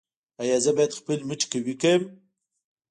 ایا زه باید خپل مټې قوي کړم؟